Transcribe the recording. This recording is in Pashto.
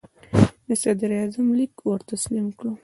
د صدراعظم لیک ور تسلیم کړ.